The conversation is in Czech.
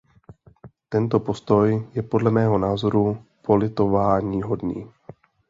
Tento postoj je podle mého názoru politováníhodný.